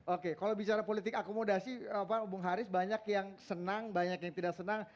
oke kalau bicara politik akomodasi bung haris banyak yang senang banyak yang tidak senang